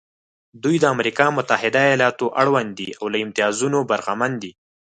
دوی د امریکا متحده ایالتونو اړوند دي او له امتیازونو برخمن دي.